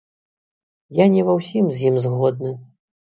Я не ва ўсім з ім згодны.